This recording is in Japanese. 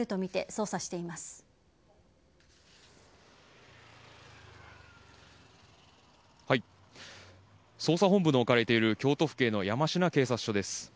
捜査本部の置かれている京都府警の山科警察署です。